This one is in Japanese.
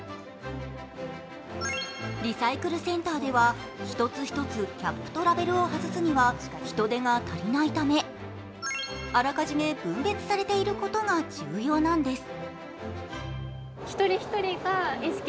リサイクルセンターでは１つ１つキャップとラベルを外すには人手が足りないため、あらかじめ分別されていることが重要なんです。